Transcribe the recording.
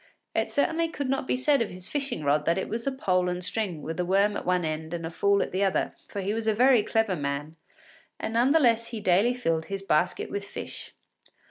It certainly could not be said of his fishing rod that it was a pole and string with a worm at one end and a fool at the other, for he was a very clever man, and none the less he daily filled his basket with fish.